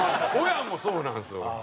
親もそうなんですよ。